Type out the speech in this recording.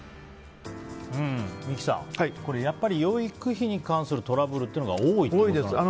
三木さん、養育費に関するトラブルっていうのが多いってことなんですか。